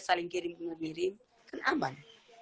saling kirim dengan siri kan aman